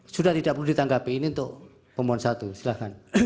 sudah tidak perlu ditanggapi ini untuk pemohon satu silahkan